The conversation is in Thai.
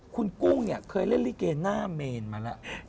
คุณกุ้งเนี่ยเคยเล่นลิเกหน้าเมนมาแล้ว